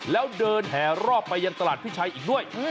แล้วเดินแห่รอบไปยังตลาดพิชัยอีกด้วย